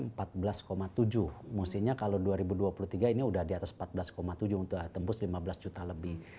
maksudnya kalau dua ribu dua puluh tiga ini sudah di atas empat belas tujuh untuk tembus lima belas juta lebih